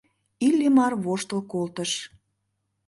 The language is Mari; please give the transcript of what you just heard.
Иллимар воштыл колтыш.